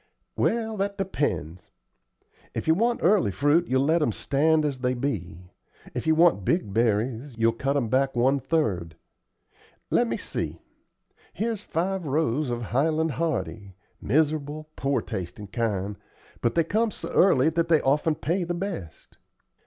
"Well, that depends. If you want early fruit, you'll let 'em stand as they be; if you want big berries, you'll cut 'em back one third. Let me see. Here's five rows of Highland Hardy; miserable poor tastin' kind; but they come so early that they often pay the best.